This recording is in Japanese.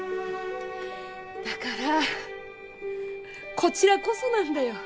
だからこちらこそなんだよ！